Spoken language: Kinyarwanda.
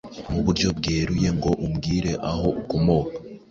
Mu buryo bweruye ngo umbwire aho ukomoka